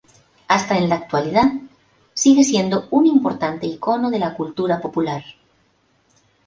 Hasta en la actualidad, sigue siendo un importante ícono de la cultura popular.